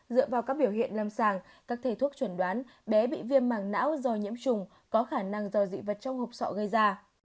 dựa vào các biểu hiện lâm sàng các thầy thuốc chuẩn đoán bé bị viêm mảng não do nhiễm trùng có khả năng do dị vật trong hộp sọ gây ra